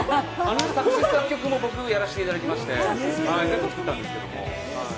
作詞・作曲も僕やらせていただきまして、全部作ったんですけども。